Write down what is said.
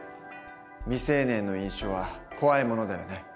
未成年の飲酒は怖いものだよね。